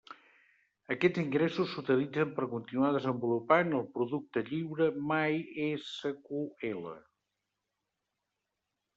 Aquests ingressos s'utilitzen per continuar desenvolupant el producte lliure MySQL.